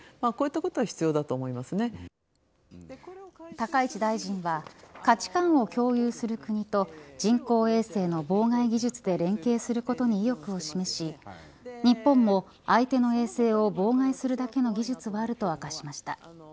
高市大臣は価値感を共有する国と人工衛星の妨害技術で連携することに意欲を示し日本も相手の衛星を妨害するだけの技術はあると明かしました。